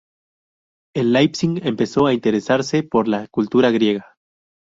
En Leipzig empezó a interesarse por la cultura griega.